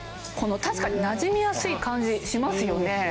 確かになじみやすい感じしますよね。